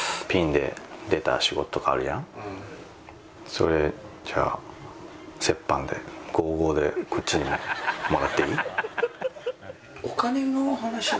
それじゃあ折半で５：５でこっちにもらっていい？